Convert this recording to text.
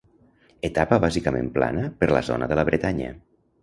Etapa bàsicament plana per la zona de la Bretanya.